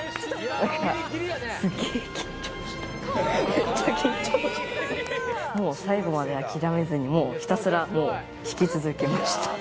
めっちゃ緊張したもう最後まで諦めずにもうひたすらもう弾き続けました